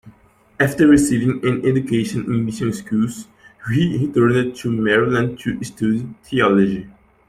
After receiving an education in mission schools, he returned to Maryland to study theology.